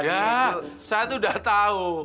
udah saat udah tau